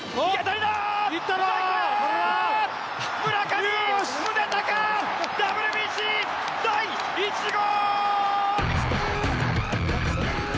村上宗隆ＷＢＣ第１号！